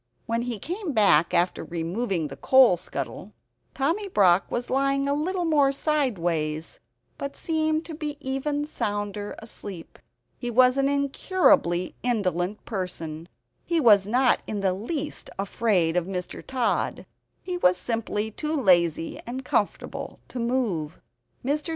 When he came back after removing the coal scuttle, Tommy Brock was lying a little more sideways; but he seemed even sounder asleep. He was an incurably indolent person; he was not in the least afraid of Mr. Tod; he was simply too lazy and comfortable to move. Mr.